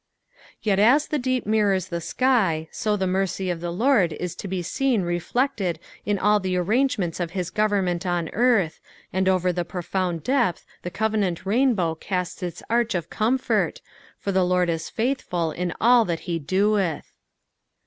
Yet as the deep mirrors the sky, so the mercy of the Lurd is to be seen reflected KkLH THB THIETT SIXTH. 177 in bH the amngemeDtB of liu government on earth, and orer tbc profound depth the coTennnt rainbow casts Us arch of comfort, fur the Lord is faithful in all that he do«tb.